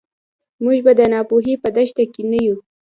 موږ به د ناپوهۍ په دښته کې نه یو.